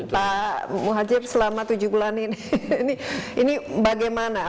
pak muhajib selama tujuh bulan ini ini bagaimana